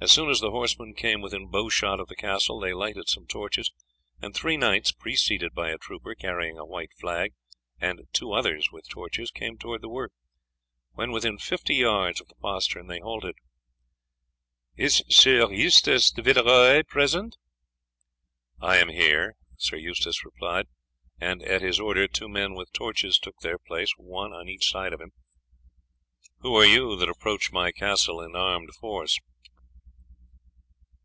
As soon as the horsemen came within bow shot of the castle they lighted some torches, and three knights, preceded by a trooper carrying a white flag, and two others with torches, came towards the work. When within fifty yards of the postern they halted. "Is Sieur Eustace de Villeroy present?" "I am here," Sir Eustace replied, and at his order two men with torches took their place one on each side of him. "Who are you that approach my castle in armed force?"